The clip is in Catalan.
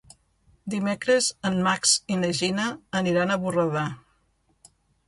Dimecres en Max i na Gina aniran a Borredà.